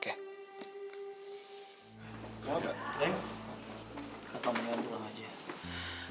kakak mendingan pulang aja